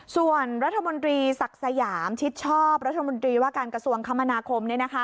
ส่วนรัฐมนตรีศักดิ์สยามชิดชอบรัฐมนตรีว่าการกระทรวงคมนาคม